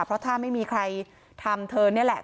เพราะถ้าไม่มีใครทำเธอนี่แหละ